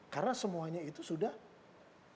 karena semuanya itu sudah dilakukan